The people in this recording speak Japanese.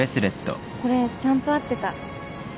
これちゃんと合ってた。